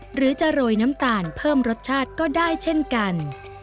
หรือจะโรยน้ำตาลเพิ่มรสชาติก็ได้เช่นกัน